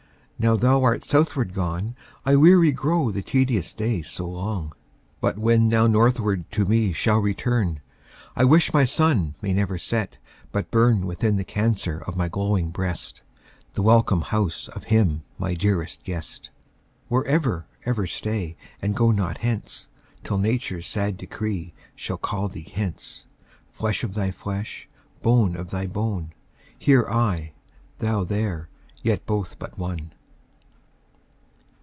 now thou art southward gone, I weary grow the tedious day so long; But when thou northward to me shalt return, I wish my Sun may never set, but burn Within the Cancer of my glowing breast, The welcome house of him my dearest guest. Where ever, ever stay, and go not thence, Till nature's sad decree shall call thee hence; Flesh of thy flesh, bone of thy bone, I here, thou there, yet both but one.